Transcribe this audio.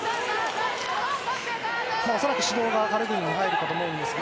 恐らく指導がカルグニンに入ると思いますが。